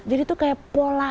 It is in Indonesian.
jadi itu kayak pola